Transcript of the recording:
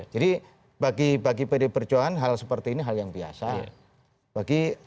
jadi bagi pdi perjuangan hal seperti ini hal yang biasa